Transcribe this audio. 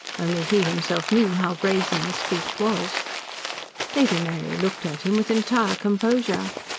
Only he himself knew how brazen the speech was. Lady Mary looked at him with entire composure.